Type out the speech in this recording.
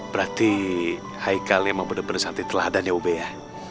berarti haikul emang bener bener santai telah hadan ya ube ya